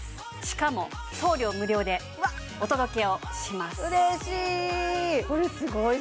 しかも送料無料でお届けをします嬉しい！